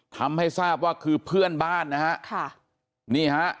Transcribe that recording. ทำให้ทราบว่าคือเพื่อนบ้านนะฮะค่ะนี่ฮะ